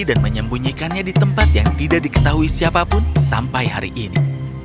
dan menyembunyikannya di tempat yang tidak diketahui siapapun sampai hari ini